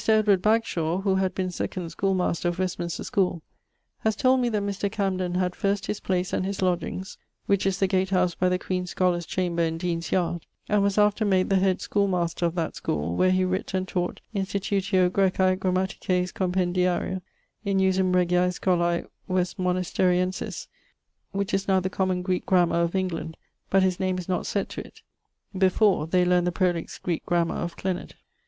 Edward Bagshawe (who had been second schoole master of Westminster schoole) haz told me that Mr. Camden had first his place and his lodgeings (which is the gate house by the Queen's Scholars' chamber in Deanes yard), and was after made the head schoole master of that schoole, where he writt and taught Institutio Græcae Grammatices Compendiaria: in usum Regiae Scholae Westmonasteriensis, which is now the common Greeke grammar of England, but his name is not sett to it. Before, they learned the prolix Greeke Grammar of Cleonard.